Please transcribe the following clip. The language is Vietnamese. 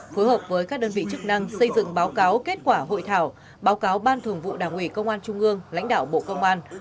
phối hợp với các đơn vị chức năng xây dựng báo cáo kết quả hội thảo báo cáo ban thường vụ đảng ủy công an trung ương lãnh đạo bộ công an